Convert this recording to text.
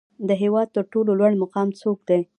د هیواد تر ټولو لوړ مقام څوک دی؟